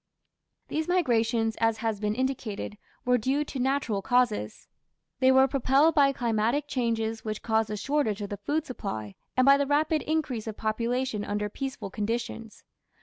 These migrations, as has been indicated, were due to natural causes. They were propelled by climatic changes which caused a shortage of the food supply, and by the rapid increase of population under peaceful conditions.